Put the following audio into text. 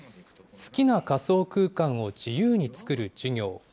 好きな仮想空間を自由に作る授業。